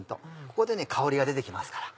ここで香りが出て来ますから。